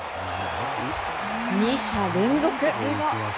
２者連続！